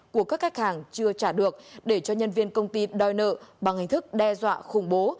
của các khách hàng chưa trả được để cho nhân viên công ty đòi nợ bằng hình thức đe dọa khủng bố